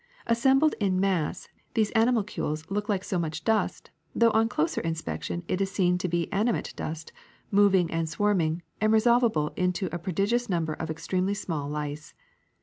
As sembled in mass, these animalcules look like so much dust, though on closer inspection it is seen to be ani mate dust, moving and swarming, and resolvable into a prodigious number of extremely small lice.